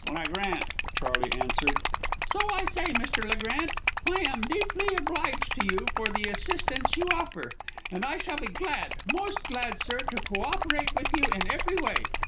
"Le Grant," Charley answered. "So I say, Mr. Le Grant, I am deeply obliged to you for the assistance you offer. And I shall be glad, most glad, sir, to co operate with you in every way.